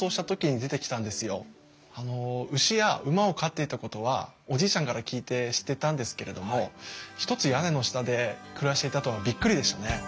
あの牛や馬を飼っていたことはおじいちゃんから聞いて知ってたんですけれどもひとつ屋根の下で暮らしていたとはびっくりでしたね。